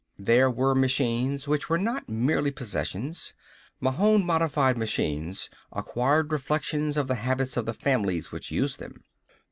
There were machines which were not merely possessions. Mahon modified machines acquired reflections of the habits of the families which used them.